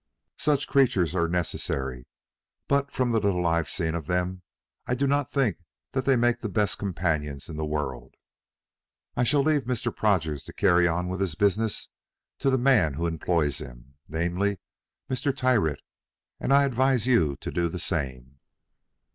Such creatures are necessary, but from the little I've seen of them I do not think that they make the best companions in the world. I shall leave Mr. Prodgers to carry on his business to the man who employs him, namely, Mr. Tyrrwhit, and I advise you to do the same."